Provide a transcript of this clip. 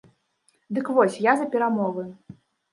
Дык вось, я за перамовы.